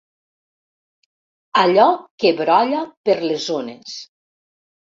Allò que brolla per les ones.